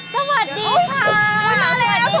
สวัสดีค่ะ